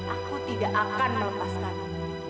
aku tidak akan melepaskanku